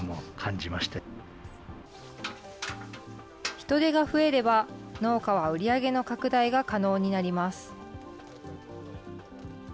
人手が増えれば、農家は売り上げの拡大が可能になります。